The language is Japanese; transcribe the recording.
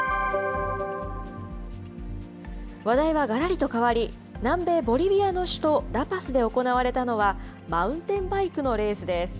話題はがらりと変わり、南米ボリビアの首都ラパスで行われたのは、マウンテンバイクのレースです。